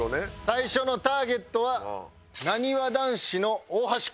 最初のターゲットはなにわ男子の大橋君です。